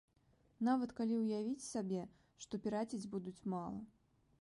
Нават калі ўявіць сабе, што піраціць будуць мала.